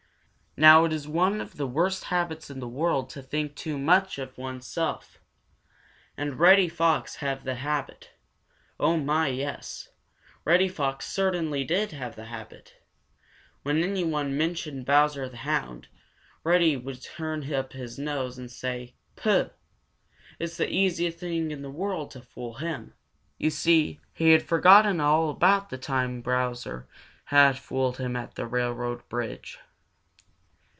Now it is one of the worst habits in the world to think too much of one's self. And Reddy Fox had the habit. Oh, my, yes! Reddy Fox certainly did have the habit! When anyone mentioned Bowser the Hound, Reddy would turn up his nose and say: "Pooh! It's the easiest thing in the world to fool him." You see, he had forgotten all about the time Bowser had fooled him at the railroad bridge.